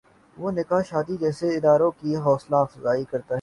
وہ نکاح شادی جیسے اداروں کی حوصلہ افزائی کرتا ہے۔